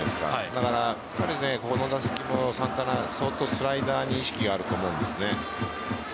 だから、ここの打席もサンタナ、相当スライダーに意識があると思うんです。